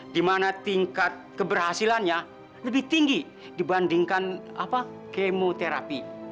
di mana tingkat keberhasilannya lebih tinggi dibandingkan kemoterapi